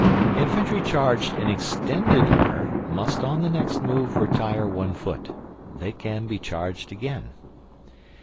Infantry charged in extended order must on the next move retire one foot; they can be charged again.